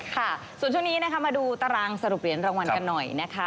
ค่ะส่วนช่วงนี้นะคะมาดูตารางสรุปเหรียญรางวัลกันหน่อยนะคะ